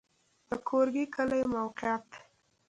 د ګورکي کلی موقعیت